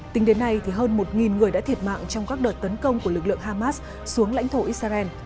tính đến nay hơn một người đã thiệt mạng trong các đợt tấn công của lực lượng hamas xuống lãnh thổ israel